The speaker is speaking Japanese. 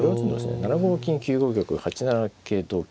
７五金９五玉８七桂同金